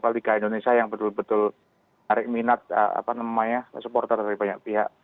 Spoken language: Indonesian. liga indonesia yang betul betul menarik minat supporter dari banyak pihak